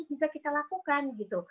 bisa kita lakukan gitu